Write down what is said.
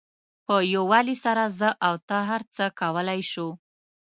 په یووالي سره زه او ته هر څه کولای شو.